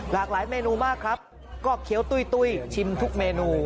หลากหลายเมนูมากครับก็เคี้ยวตุ้ยชิมทุกเมนู